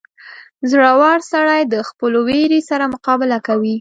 • زړور سړی د خپلو وېرې سره مقابله کوي.